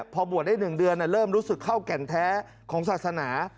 พอบวชได้๑เดือนเริ่มรู้สึกเข้าแก่นแท้ของศาสนา